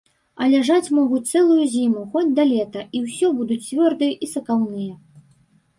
А ляжаць могуць цэлую зіму, хоць да лета, і ўсё будуць цвёрдыя і сакаўныя.